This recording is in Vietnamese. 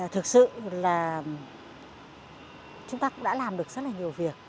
thực sự là chúng ta cũng đã làm được rất là nhiều việc